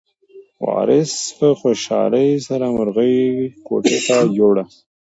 وارث په خوشحالۍ سره مرغۍ کوټې ته یووړه.